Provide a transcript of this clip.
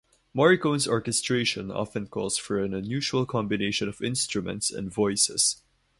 Morricone's orchestration often calls for an unusual combination of instruments and voices.